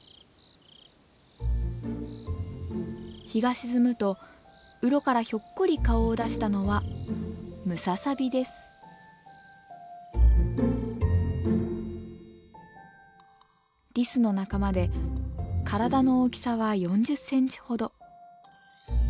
日が沈むと洞からひょっこり顔を出したのはリスの仲間で体の大きさは４０センチほど。